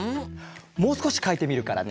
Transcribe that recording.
もうすこしかいてみるからね。